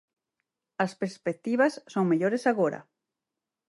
As perspectivas son mellores agora.